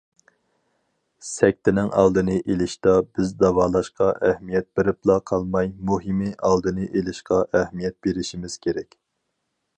سەكتىنىڭ ئالدىنى ئېلىشتا بىز داۋالاشقا ئەھمىيەت بېرىپلا قالماي، مۇھىمى، ئالدىنى ئېلىشقا ئەھمىيەت بېرىشىمىز كېرەك.